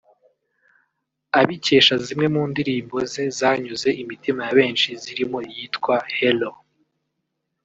abikesha zimwe mu ndirimbo ze zanyuze imitima ya benshi zirimo iyitwa “Hello”